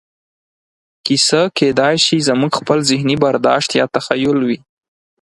کیسه کېدای شي زموږ خپل ذهني برداشت یا تخیل وي.